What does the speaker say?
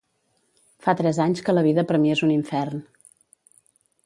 Fa tres anys que la vida per mi és un infern.